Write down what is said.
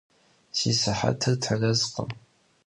Si sıhetır terezkhım.